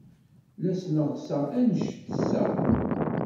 La sneɣseɣ anect tesseɣ.